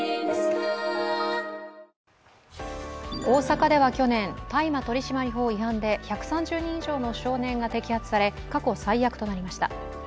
大阪では去年、大麻取締法違反で１３０人以上の少年が摘発され、過去最悪となりました。